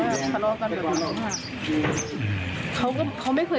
อยากให้ไม่ชอบเพื่อนเค้าด้วย